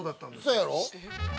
◆そうやろ。